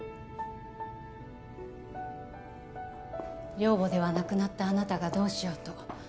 寮母ではなくなったあなたがどうしようと